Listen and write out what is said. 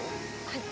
はい。